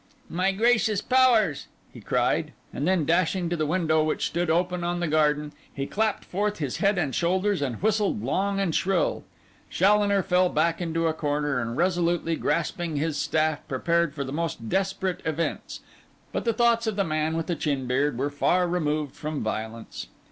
'My gracious powers!' he cried; and then, dashing to the window, which stood open on the garden, he clapped forth his head and shoulders, and whistled long and shrill. Challoner fell back into a corner, and resolutely grasping his staff, prepared for the most desperate events; but the thoughts of the man with the chin beard were far removed from violence.